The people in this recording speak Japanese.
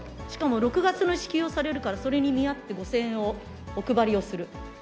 しかも６月の支給をされるから、それに見合って５０００円をお配りをする。